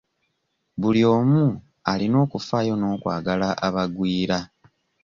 Buli omu alina okufaayo n'okwagala abagwira.